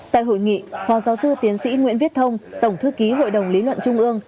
tại hội nghị phó giáo sư tiến sĩ nguyễn viết thông tổng thư ký hội đồng lý luận trung ương